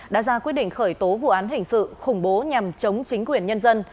đã ra quyết định khởi tố vụ án hình sự khủng bố nhằm chống chính quyền nhân dân